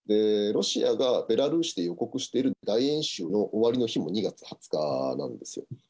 ロシアがベラルーシで予告している大演習の終わりの日も２月２０日なんですよ。